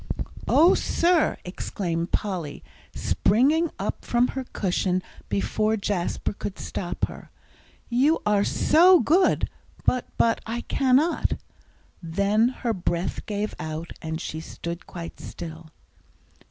"Oh, sir," exclaimed Polly, springing off from her cushion before Jasper could stop her. "You are so good but but I cannot," then her breath gave out, and she stood quite still.